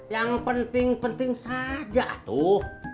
yang penting penting saja tuh